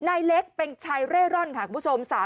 นายเล็กเป็นชายเร่ร่อนค่ะคุณผู้ชม